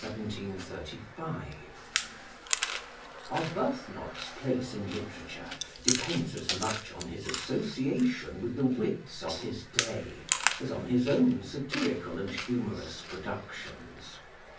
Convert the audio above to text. JOHN ARBUTHNOT (1667 1735) Arbuthnot's place in literature depends as much on his association with the wits of his day as on his own satirical and humorous productions.